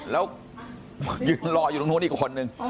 แล้วยืนรออยู่ตรงนู้นอีกคนนึง